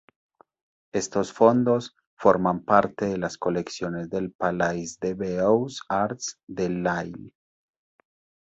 Estos fondos forman parte de las colecciones del Palais des Beaux-Arts de Lille.